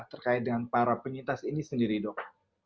terkait dengan para penyintas ini sendiri dok